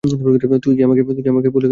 তুই কি আমাকে ভুলে গেছিস?